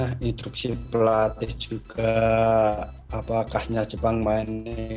ya semuanya instruksi pelatih juga apakahnya jepang mainnya